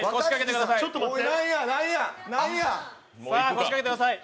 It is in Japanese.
腰掛けてください。